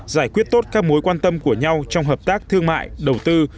giải quyết tốt các mối quan tâm của nhau trong hợp tác thương mại đầu tư